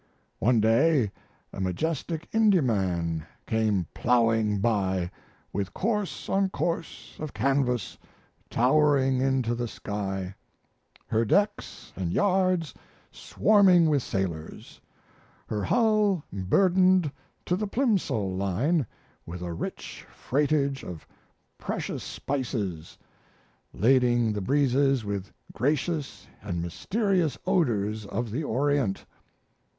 One day a majestic Indiaman came plowing by with course on course of canvas towering into the sky, her decks and yards swarming with sailors, her hull burdened to the Plimsoll line with a rich freightage of precious spices, lading the breezes with gracious and mysterious odors of the Orient.